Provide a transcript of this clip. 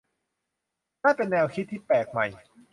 นั่นเป็นแนวคิดที่แปลกใหม่